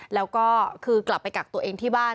แล้วก็คือกลับไปกักตัวเองที่บ้าน